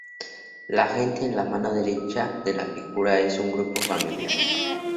La gente en la mano derecha de la figura es un grupo familiar.